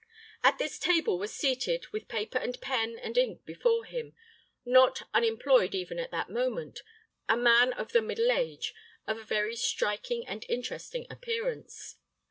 At this table was seated, with paper, and pen, and ink before him not unemployed even at that moment a man of the middle age, of a very striking and interesting appearance.